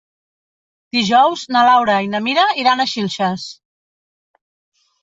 Dijous na Laura i na Mira iran a Xilxes.